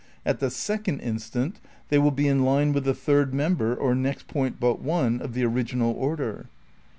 At the second instant they will be in line with the third mem ber, or next point but one, of the original order.